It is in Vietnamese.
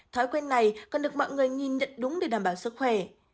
thói quen này cần được mọi người nhìn nhận đúng để đảm bảo sức khỏe